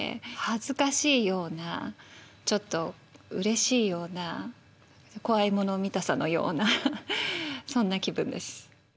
恥ずかしいようなちょっとうれしいような怖いもの見たさのようなそんな気分です。